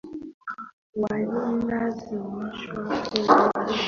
walilazimishwa kuwa chini ya Askofu wa Bizanti wakajisikia wanagandamizwa